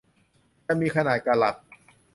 จะมีขนาดกะรัต